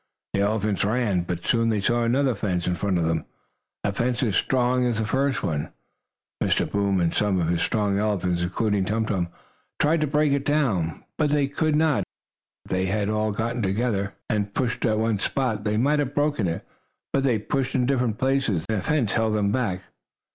The elephants ran, but soon they saw another fence in front of them a fence as strong as the first one. Mr. Boom and some of the strong elephants, including Tum Tum, tried to break it down, but they could not. If they had all gotten together, and pushed at one spot, they might have broken it, but they pushed in different places, and the fence held them back.